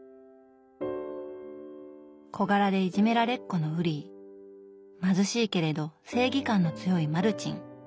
小柄でいじめられっ子のウリー貧しいけれど正義感の強いマルチン。